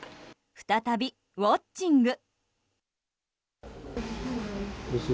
再びウォッチング。